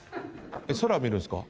空見るんすか？